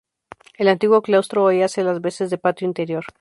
El antiguo claustro hoy hace las veces de patio interior.